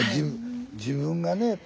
自分がね